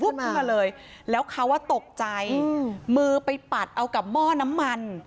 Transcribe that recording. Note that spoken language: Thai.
ขึ้นมาเลยแล้วเขาตกใจมือไปปัดเอากับหม้อน้ำมัน